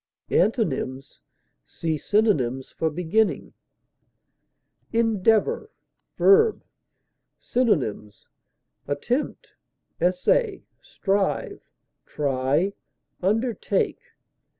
Antonyms: See synonyms for BEGINNING. ENDEAVOR, v. Synonyms: attempt, essay, strive, try, undertake.